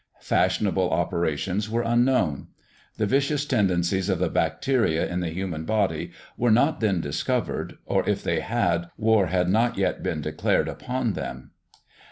Fashionable operations were unknown. The vicious tendencies of the bacteria in the human body were not then discovered, or, if they had, war had not yet been declared upon them.